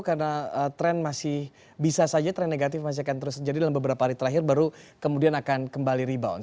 karena tren masih bisa saja tren negatif masih akan terus terjadi dalam beberapa hari terakhir baru kemudian akan kembali rebound